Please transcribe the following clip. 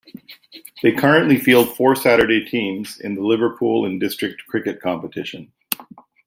They currently field four Saturday teams in the Liverpool and District Cricket Competition.